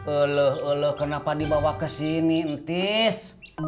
eluh eluh kenapa dibawa kesini entis